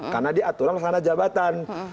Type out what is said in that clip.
karena diaturkan melaksanakan jabatan